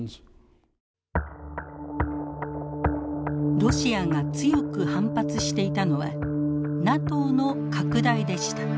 ロシアが強く反発していたのはＮＡＴＯの拡大でした。